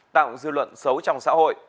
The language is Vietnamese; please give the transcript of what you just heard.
tạo dư luận xấu trong xã hội